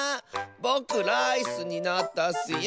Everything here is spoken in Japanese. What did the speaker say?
ぼくライスになったッスよ！